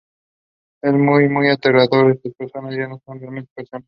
Es muy, muy aterrador: estas personas ya no son realmente personas.